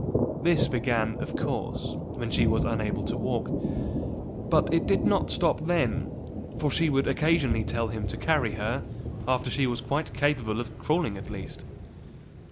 This began, of course, when she was unable to walk; but it did not stop then, for she would occasionally tell him to carry her after she was quite capable of crawling at least.